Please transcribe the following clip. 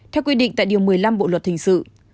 theo quy định tại điều một mươi năm bộ luật hình sự